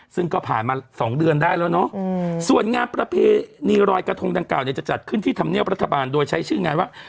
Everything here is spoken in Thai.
ซึ่งก็ผ่านมา๒เดือนได้แล้วเนาะส่วนงานประเพณีรอยกระทงดังกล่าวเนี่ยจะจัดขึ้นที่ธรรมเนียบรัฐบาลโดยใช้ชื่องานว่า